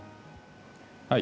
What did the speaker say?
はい。